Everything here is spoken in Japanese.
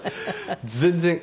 全然。